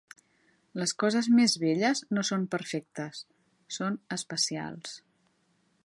Les coses més belles no són perfectes, són especials.